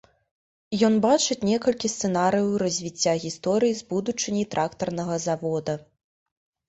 Ён бачыць некалькі сцэнарыяў развіцця гісторыі з будучыняй трактарнага завода.